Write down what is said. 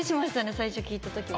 最初、聞いたとき。